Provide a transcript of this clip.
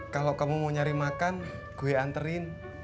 kalau kamu mau nyari makan gue anterin